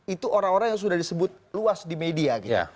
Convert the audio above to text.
itu orang orang yang sudah disebut luas di media gitu